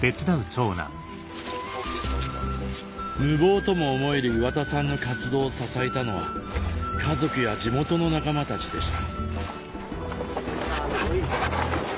無謀とも思える岩田さんの活動を支えたのは家族や地元の仲間たちでした